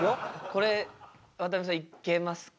これ渡辺さんいけますか？